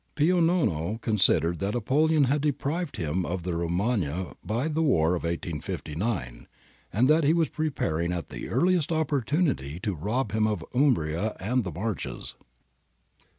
Pio Nono considered that Napoleon had deprived him of the Romagna by the war of 1859, and that he was preparing at the earliest opportunity to rob him of Umbria and the Marches.